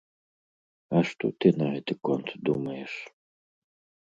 А што ты на гэты конт думаеш?